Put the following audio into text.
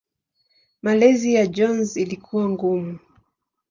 Malezi ya Jones ilikuwa ngumu.